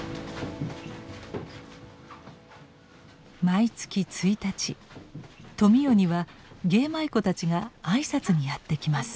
毎月一日富美代には芸舞妓たちが挨拶にやって来ます。